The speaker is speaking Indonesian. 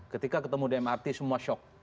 ketika ketemu dmrt semua shock